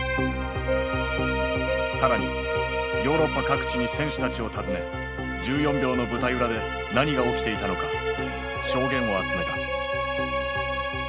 更にヨーロッパ各地に選手たちを訪ね１４秒の舞台裏で何が起きていたのか証言を集めた。